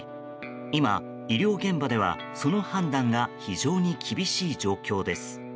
今、医療現場では、その判断が非常に厳しい状況です。